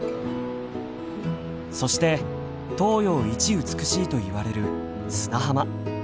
そして東洋一美しいといわれる砂浜。